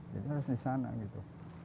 jadi harus di sana gitu